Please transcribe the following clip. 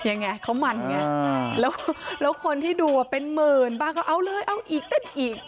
ยังไงเขามันไงแล้วคนที่ดูเป็นหมื่นบ้างก็เอาเลยเอาอีกเต้นอีก